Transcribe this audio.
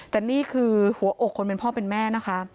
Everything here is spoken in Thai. แต่นี่คือหัวอกคนเป็นพ่อเป็นแม่นะคะ